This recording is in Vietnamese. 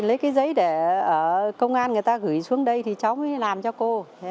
lấy cái giấy để ở công an người ta gửi xuống đây thì cháu mới làm cho cô